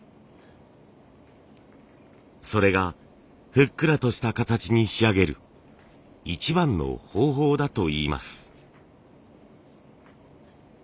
それがふっくらとした形に仕上げる一番の方法だといいます。